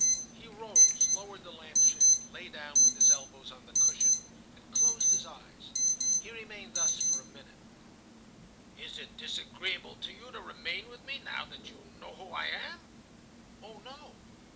He rose, lowered the lamp shade, lay down with his elbows on the cushion, and closed his eyes. He remained thus for a minute. "Is it disagreeable to you to remain with me, now that you know who I am?" "Oh, no."